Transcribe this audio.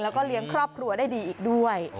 แล้วก็เลี้ยงครอบครัวได้ดีอีกด้วย